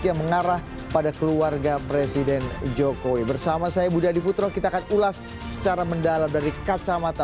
yang mengarah pada keluarga presiden jokowi bersama saya budi adiputro kita akan ulas secara mendalam dari kacamata